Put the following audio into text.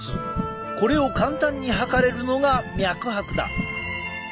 これを簡単に測れるのが脈拍だ。